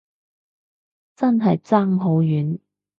真係爭好遠